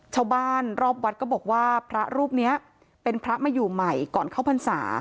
ชาวบ้านรอบวัดก็บอกว่าพระรูปนี้เป็นพระมาอยู่ใหม่ก่อนเข้าพรรษา